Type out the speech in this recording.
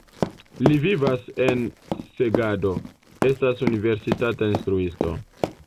Li vivas en Segedo, estas universitata instruisto.